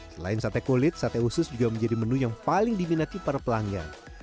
selain sate kulit sate usus juga menjadi menu yang paling diminati para pelanggan